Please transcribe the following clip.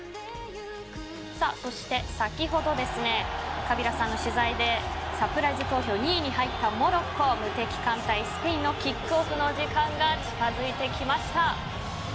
そして、先ほどカビラさんの取材でサプライズ投票２位に入ったモロッコ無敵艦隊・スペインのキックオフの時間が近づいてきました。